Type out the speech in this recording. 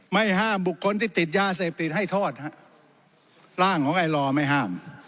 ไม่ห้ามบุคคลที่ติดยาเสพติดให้โทษฮะร่างของไอลอไม่ห้าม